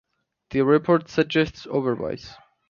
The report suggests otherwise.